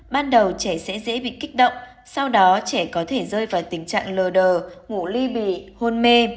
ban đầu trẻ sẽ dễ bị kích động sau đó trẻ có thể rơi vào tình trạng lờ đờ ngủ ly bị hôn mê